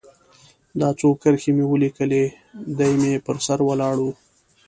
دا څو کرښې مې ولیکلې، دی مې پر سر ولاړ و.